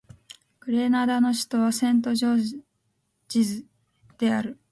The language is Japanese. グレナダの首都はセントジョージズである